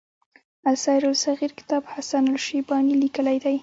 السير الصغير کتاب حسن الشيباني ليکی دی.